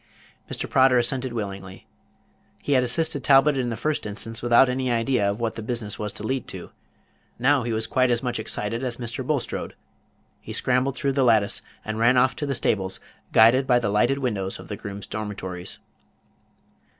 Mr. Prodder assented willingly. He had assisted Talbot in the first instance without any idea of what the business was to lead to. Now he was quite as much excited as Mr. Bulstrode. He scrambled through the lattice, and ran off to the stables, guided by the lighted windows of the grooms' dormitories.